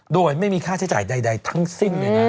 โดยไม่มีค่าใช้จ่ายใดทั้งสิ้นเลยนะ